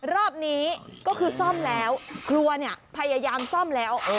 รอบนี้ก็คือซ่อมแล้วครัวเนี่ยพยายามซ่อมแล้ว